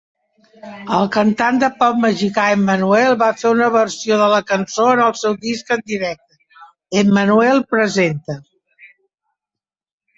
El cantant de pop mexicà, Emmanuel va fer una versió de la cançó en el seu disc en directe, "Emmanuel Presenta...".